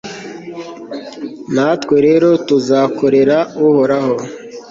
natwe rero tuzakorera uhoraho